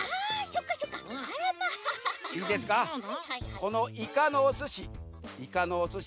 この「いかのおすし」いかのおすし